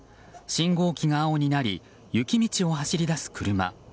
信号機が青になり雪道を走り出す車。